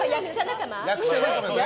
役者仲間？